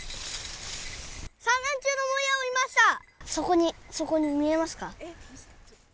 そこに、そこに見えますか？